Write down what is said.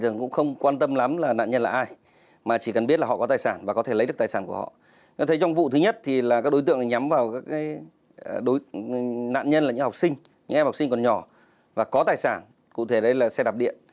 nạn nhân là những học sinh những em học sinh còn nhỏ và có tài sản cụ thể đây là xe đạp điện